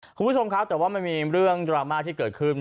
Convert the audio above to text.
คุณผู้ชมครับแต่ว่ามันมีเรื่องดราม่าที่เกิดขึ้น